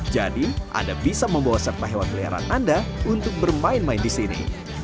jadi anda bisa membawa serta hewan peliharaan anda untuk bermain main disini